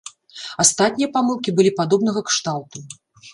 Астатнія памылкі былі падобнага кшталту.